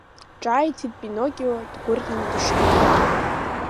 Ҿааиҭит Пиноккио, дгәырӷьан дышьҭыԥо.